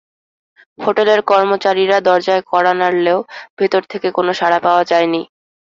হোটেলের কর্মচারীরা দরজায় কড়া নাড়লেও ভেতর থেকে কোনো সাড়া পাওয়া যায়নি।